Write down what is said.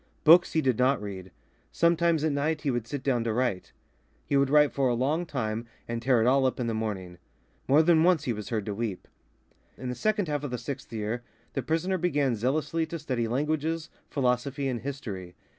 Books he did not read. Sometimes at nights he would sit down to write. He would write for a long time and tear it all up in the morning. More than once he was heard to weep. In the second half of the sixth year, the prisoner began zealously to study languages, philosophy, and history.